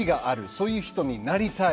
そういう人になりたい。